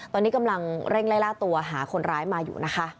ตอนนี้กำลังเร่งไล่ล่าตัวหาคนร้ายมาอยู่นะคะ